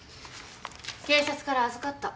警察から預かった。